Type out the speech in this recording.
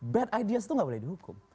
bad ideas itu nggak boleh dihukum